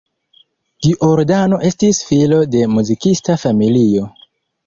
Giordano estis filo de muzikista familio.